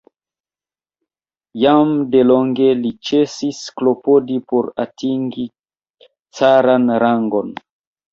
Jam delonge li ĉesis klopodi por atingi caran rangon.